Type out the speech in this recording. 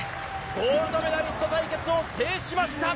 ゴールドメダリスト対決を制しました。